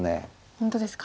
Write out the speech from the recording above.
本当ですか。